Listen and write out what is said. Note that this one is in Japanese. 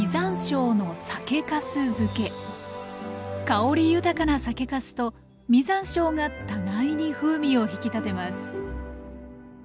香り豊かな酒かすと実山椒が互いに風味を引き立てます